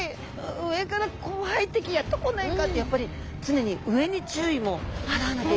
上から怖い敵やって来ないかってやっぱり常に上に注意も払わなきゃいけないわけですね。